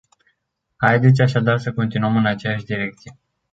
Haideți așadar să continuăm în aceeași direcție.